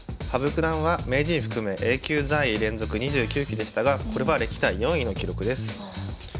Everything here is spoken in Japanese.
羽生九段は名人含めＡ級在位連続２９期でしたがこれは歴代４位の記録です。